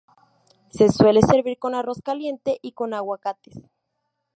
Se suele servir con arroz caliente y con aguacates.